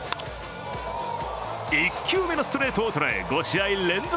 １球目のストレートをとらえ５試合連続